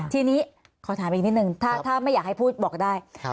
ทีนี้ขอถามอีกนิดนึงถ้าไม่อยากให้พูดบอกได้